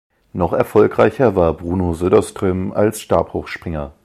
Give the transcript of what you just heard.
Noch erfolgreicher war Bruno Söderström als Stabhochspringer.